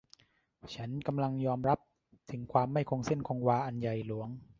ฉันกำลังยอมรับถึงความไม่คงเส้นคงวาอันใหญ่หลวง